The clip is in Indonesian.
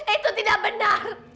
itu tidak benar